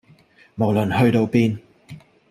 無論去到邊